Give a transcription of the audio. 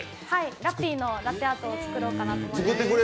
ラッピーのラテアートを作ろうかと思っています。